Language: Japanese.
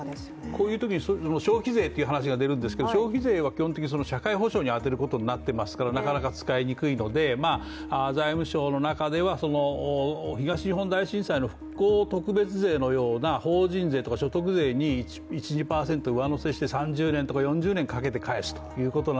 こういうときに消費税という話が出るんですけど消費税は基本的に社会保障に充てることになっていますからなかなか使いにくいので、財務省の中では東日本大震災の復興特別税のような法人税とか所得税に１２％上乗せして、３０年とか４０年をかけて返すという。